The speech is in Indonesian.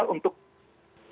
untuk memajukan kesejahteraan